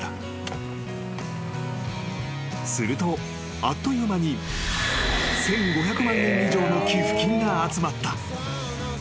［するとあっという間に１，５００万円以上の寄付金が集まった］